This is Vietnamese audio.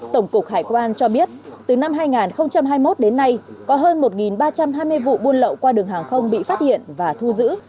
tổng cục hải quan cho biết từ năm hai nghìn hai mươi một đến nay có hơn một ba trăm hai mươi vụ buôn lậu qua đường hàng không bị phát hiện và thu giữ